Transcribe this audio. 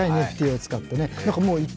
ＮＦＴを使ってね。